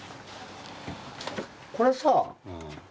これさ。